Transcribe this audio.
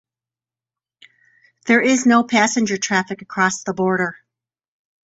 There is no passenger traffic across the border.